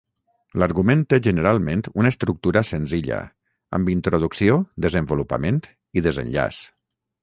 L'argument té generalment una estructura senzilla, amb introducció, desenvolupament i desenllaç.